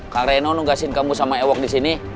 kang reno nungguin kamu sama ewok di sini